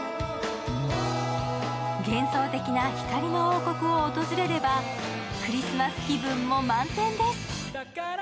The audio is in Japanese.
幻想的な光の王国を訪れればクリスマス気分も満点です。